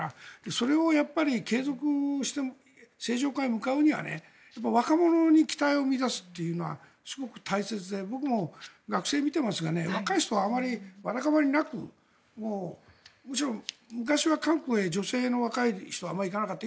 それを継続して正常化へ向かうためには若者に期待を見いだすっていうのはすごく大切で僕も学生を見ていますが若い人はあまりわだかまりなくもちろん昔は韓国へ若い女性はあまり行かなかった。